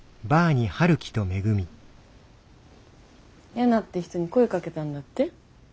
ヤナって人に声かけたんだって？